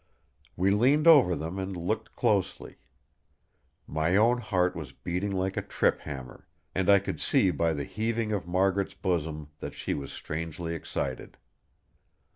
We leaned over them and looked closely. My own heart was beating like a trip hammer; and I could see by the heaving of Margaret's bosom that she was strangely excited.